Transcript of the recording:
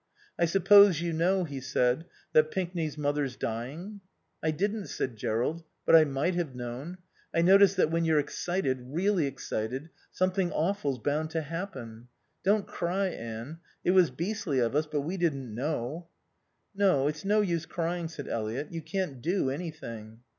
"I suppose you know," he said, "that Pinkney's mother's dying?" "I didn't," said Jerrold. "But I might have known. I notice that when you're excited, really excited, something awful's bound to happen.... Don't cry, Anne. It was beastly of us, but we didn't know." "No. It's no use crying," said Eliot. "You can't do anything."